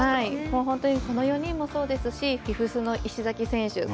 本当にこの４人もそうですしフィフスの石崎選手